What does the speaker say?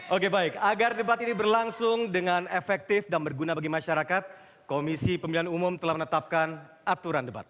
oke baik agar debat ini berlangsung dengan efektif dan berguna bagi masyarakat komisi pemilihan umum telah menetapkan aturan debat